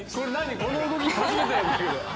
この動き初めてなんだけど」